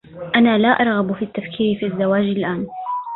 أنا لا أرغب في التّفكير في الزّواج الآن.